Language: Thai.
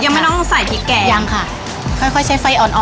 ยังไม่ต้องใส่พริกแกงยังค่ะค่อยใช้ไฟอ่อน